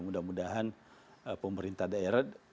mudah mudahan pemerintah daerah